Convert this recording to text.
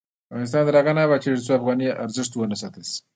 افغانستان تر هغو نه ابادیږي، ترڅو د افغانۍ ارزښت وساتل نشي.